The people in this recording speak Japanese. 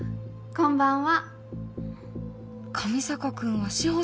こんばんは。